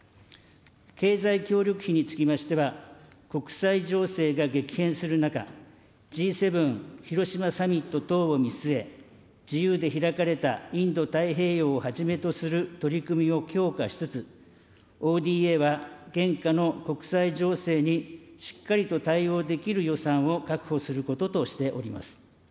経済協力費につきましては、国際情勢が激変する中、Ｇ７広島サミット等を見据え、自由で開かれたインド太平洋をはじめとする取り組みを強化しつつ、ＯＤＡは現下の国際情勢にしっかりと対応できる予算を確保することとしております。